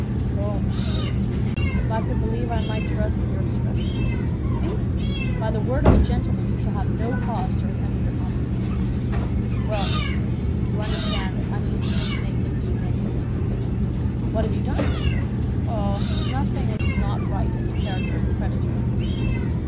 "Oh, monsieur, if I could believe I might trust in your discretion." "Speak! By the word of a gentleman, you shall have no cause to repent of your confidence." "Well, monsieur, you understand that uneasiness makes us do many things." "What have you done?" "Oh, nothing which was not right in the character of a creditor."